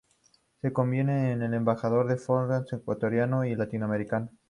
Se convierte en la "Embajadora del folklore Ecuatoriano y Latinoamericano".